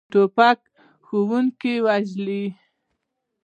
توپک ښوونکي وژلي.